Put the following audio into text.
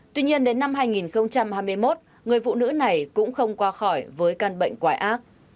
tuy nhiên đến năm hai nghìn hai mươi một người phụ nữ này cũng không qua khỏi với căn bệnh quái ác